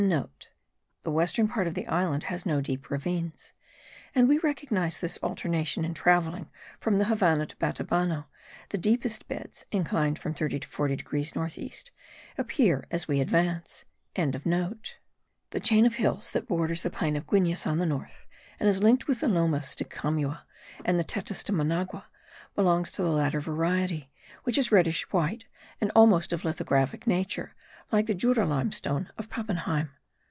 (* The western part of the island has no deep ravines; and we recognize this alternation in travelling from the Havannah to Batabano, the deepest beds (inclined from 30 to 40 degrees north east) appear as we advance.) The chain of hills that borders the plain of Guines on the north and is linked with the Lomas de Camua, and the Tetas de Managua, belongs to the latter variety, which is reddish white, and almost of lithographic nature, like the Jura limestone of Pappenheim.